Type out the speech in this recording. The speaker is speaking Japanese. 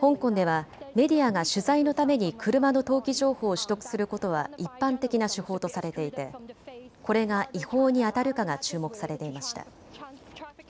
香港ではメディアが取材のために車の登記情報を取得することは一般的な手法とされていてこれが違法にあたるかが注目されていました。